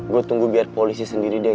gue tunggu biar polisi sendiri deh